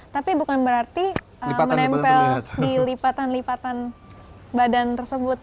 tapi bukan berarti menempel di lipatan lipatan badan tersebut